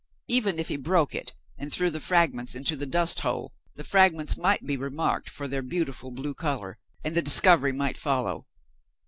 Even if he broke it, and threw the fragments into the dusthole, the fragments might be remarked for their beautiful blue color, and the discovery might follow.